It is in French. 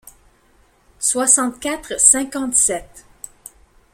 soixante-quatre cinquante-sept.